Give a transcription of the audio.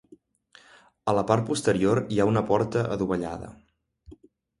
A la part posterior hi ha una porta adovellada.